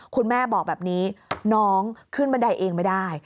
คุณแม่บอกแบบนี้น้องขึ้นบันไดเองไม่ได้